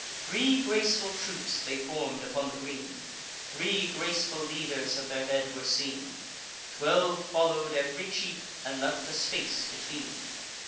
Three graceful troops they form'd upon the green; Three graceful leaders at their head were seen; Twelve follow'd ev'ry chief, and left a space between.